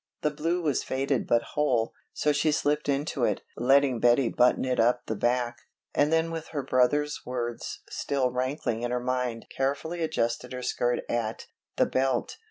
The blue was faded but whole, so she slipped into it, letting Betty button it up the back, and then with her brother's words still rankling in her mind carefully adjusted her skirt at, the belt.